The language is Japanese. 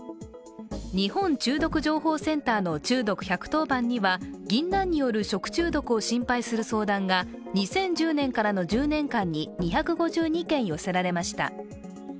日本中毒情報センターの中毒１１０番にはぎんなんによる食中毒を心配する相談が２０１０年からの１０年間に２５２件寄せられました。